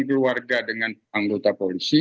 keluarga dengan anggota polisi